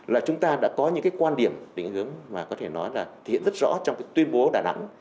là chúng ta đã có những quan điểm tính hướng mà có thể nói là hiện rất rõ trong tuyên bố đà nẵng